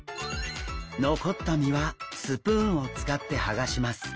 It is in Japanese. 残った身はスプーンを使ってはがします。